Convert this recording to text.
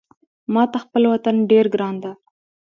ماته خپل وطن ډېر ګران ده